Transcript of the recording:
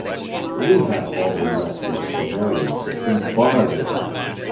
"We have already left your Solarian system far behind.